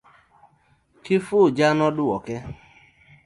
Kifuja noduoke.